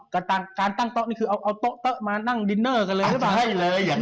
การตั้งโต๊ะนี่คือเอาโต๊ะมานั่งดินเนอร์กันเลยหรือเปล่า